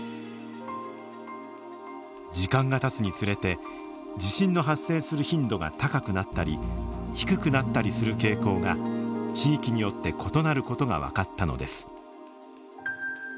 時間がたつにつれて地震の発生する頻度が高くなったり低くなったりする傾向が地域によって異なる事が分かったのです。